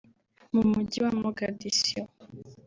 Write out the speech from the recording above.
mu mujyi wa Mogadiscio